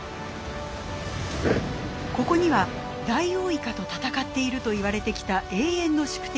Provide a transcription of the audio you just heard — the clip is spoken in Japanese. ここにはダイオウイカと闘っているといわれてきた永遠の宿敵